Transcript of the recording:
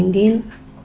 ya allah din